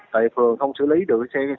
tại phường không xử lý được xe tải